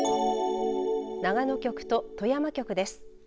長野局と富山局です。